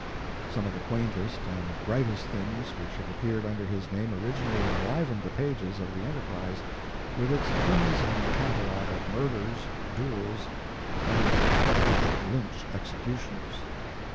" Some of the quaintest and brightest things which have appeared under his name originally enlivened the pages of the Enterprise with its crimson catalogue of murders, duels and Judge lyynch executions.